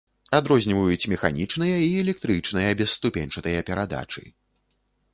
Адрозніваюць механічныя і электрычныя бесступеньчатыя перадачы.